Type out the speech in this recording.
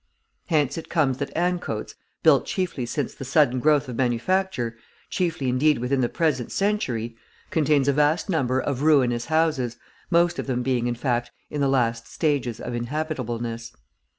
Hence it comes that Ancoats, built chiefly since the sudden growth of manufacture, chiefly indeed within the present century, contains a vast number of ruinous houses, most of them being, in fact, in the last stages of inhabitableness.